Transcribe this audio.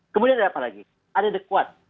kemudian ada apa lagi ada the quad